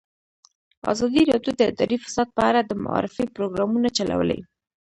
ازادي راډیو د اداري فساد په اړه د معارفې پروګرامونه چلولي.